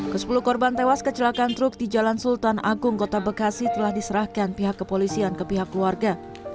ke sepuluh korban tewas kecelakaan truk di jalan sultan agung kota bekasi telah diserahkan pihak kepolisian ke pihak keluarga